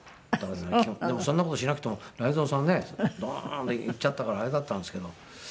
でもそんな事しなくても雷蔵さんはねドーンといっちゃったからあれだったんですけど。